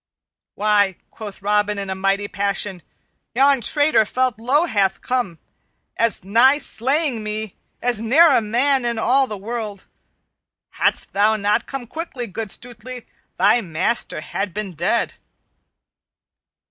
"Why," quoth Robin in a mighty passion, "yon traitor felt low hath come as nigh slaying me as e'er a man in all the world. Hadst thou not come quickly, good Stutely, thy master had been dead."